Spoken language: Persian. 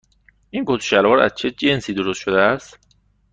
این کت و شلوار از چه جنسی درست شده است؟